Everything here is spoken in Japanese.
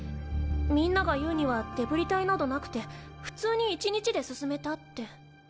みんなが言うにはデブリ帯などなくて普通に１日で進めたって。